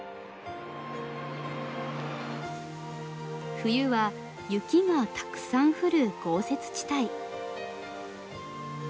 冬は雪がたくさん降る豪雪地帯。